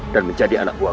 dan menjadi anak buahku